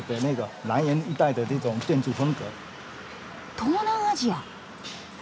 東南アジア！